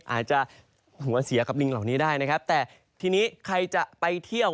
อาจจะหัวเสียกับลิงเหล่านี้ได้นะครับแต่ทีนี้ใครจะไปเที่ยว